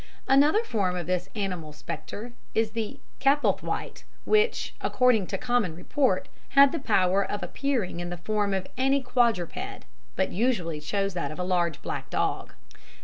Another form of this animal spectre is the Capelthwaite, which, according to common report, had the power of appearing in the form of any quadruped, but usually chose that of a large, black dog.